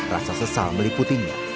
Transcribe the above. rasa sesal meliputinya